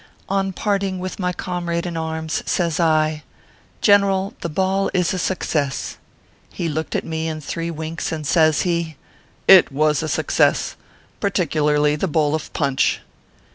On parting with my comrade in arms, says I :" General, the ball is a success/ He looked at me in three winks, and says he : "It was a success particularly the bowl of punch